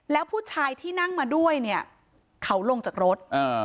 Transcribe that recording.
แล้วผู้ชายที่นั่งมาด้วยเนี่ยเขาลงจากรถ